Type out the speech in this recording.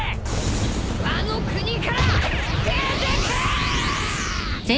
ワノ国から出てけ！！